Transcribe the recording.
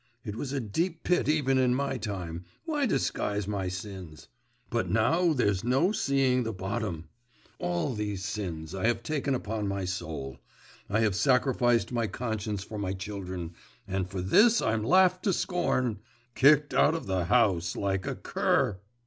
It was a deep pit even in my time why disguise my sins? but now there's no seeing the bottom! All these sins I have taken upon my soul; I have sacrificed my conscience for my children, and for this I'm laughed to scorn! Kicked out of the house, like a cur!